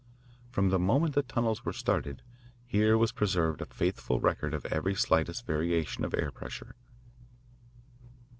From the moment the tunnels were started, here was preserved a faithful record of every slightest variation of air pressure.